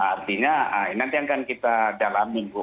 artinya nanti akan kita dalami bu